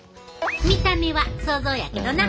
見た目は想像やけどな。